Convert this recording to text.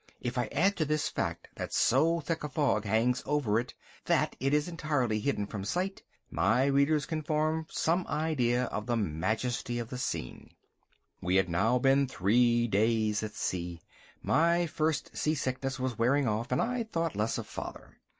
If I add to this fact that so thick a fog hangs over it that it is entirely hidden from sight, my readers can form some idea of the majesty of the scene. We had now been three days at sea. My first sea sickness was wearing off, and I thought less of father.